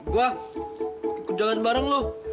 gua ikut jalan bareng lu